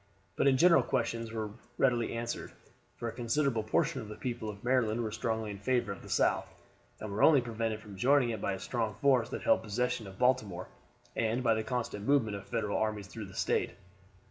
But in general questions were readily answered; for a considerable portion of the people of Maryland were strongly in favor of the South, and were only prevented from joining it by the strong force that held possession of Baltimore, and by the constant movement of Federal armies through the State.